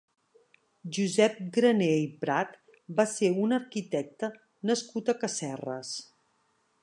Josep Graner i Prat va ser un arquitecte nascut a Casserres.